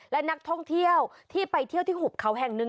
และนักท่องเที่ยวที่ไปเที่ยวที่หุบเขาแห่งหนึ่ง